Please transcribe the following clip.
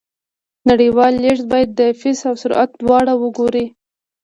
نړیوال لیږد باید د فیس او سرعت دواړه وګوري.